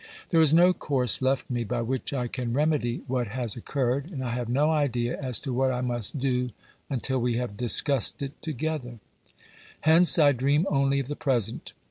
There is no course left me by which I can remedy what has occurred, and I have no idea as to what I must do until we have discussed it together. Hence I dream only of the present.